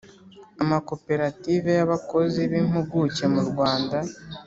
amakoperative y abakozi b impuguke mu rwanda